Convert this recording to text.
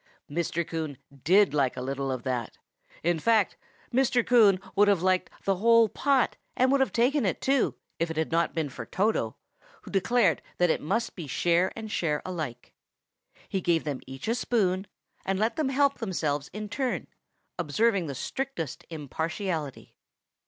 Mr. Coon did like a little of that. In fact, Mr. Coon would have liked the whole pot, and would have taken it, too, if it had not been for Toto, who declared that it must be share and share alike. He gave them each a spoon, and let them help themselves in turn, observing the strictest impartiality.